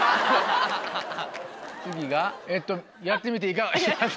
次がえっとやってみていかが。